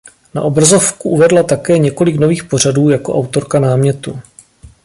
Na obrazovku uvedla také několik nových pořadů jako autorka námětu.